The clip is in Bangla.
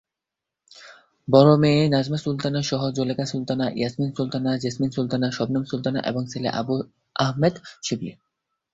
বড়ো মেয়ে নাজমা সুলতানা সহ জুলেখা সুলতানা, ইয়াসমিন সুলতানা, জেসমিন সুলতানা, শবনম সুলতানা এবং ছেলে আবু আহমেদ শিবলী।